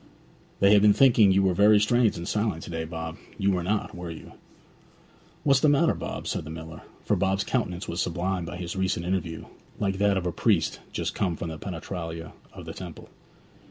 'They have been thinking you were very strange and silent to day, Bob; you were not, were you?' 'What's the matter, Bob?' said the miller; for Bob's countenance was sublimed by his recent interview, like that of a priest just come from the penetralia of the temple.